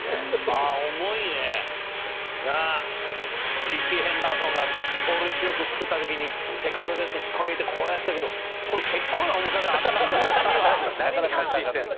ああ、重いね。なぁ、リッキー・ヘンダーソンが盗塁記録を作ったときに、セカンドベース引っこ抜いて、こうやってたけど、これ、結構な重さで、あんな簡単には。